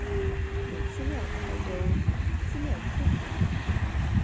有资料才有资料科学